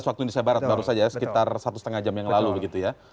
waktu indonesia barat baru saja sekitar satu setengah jam yang lalu begitu ya